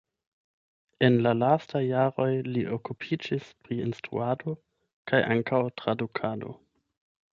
En la lastaj jaroj li okupiĝis pri instruado kaj ankaŭ tradukado.